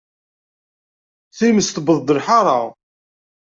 Times tewweḍ-d lḥaṛa!